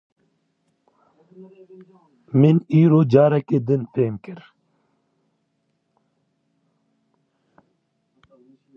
Min îro careke din fêm kir.